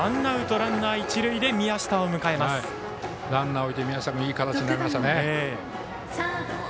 ランナーを置いて宮下君なのでいい形になりましたね。